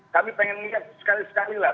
kami pengen lihat sekali sekali lah